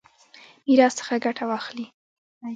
میراث څخه ګټه واخلي.